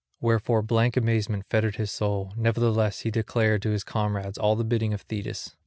Wherefore blank amazement fettered his soul; nevertheless he declared to his comrades all the bidding of Thetis.